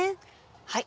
はい。